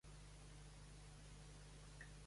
A la cara: vigilant, no inconscient, i despectiu.